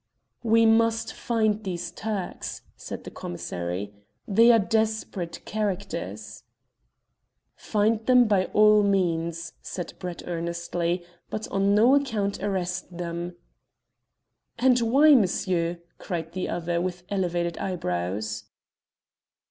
"We must find these Turks," said the commissary. "They are desperate characters." "Find them by all means," said Brett earnestly, "but on no account arrest them." "And why, monsieur?" cried the other, with elevated eyebrows.